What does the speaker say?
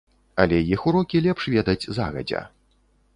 Але іх урокі лепш ведаць загадзя.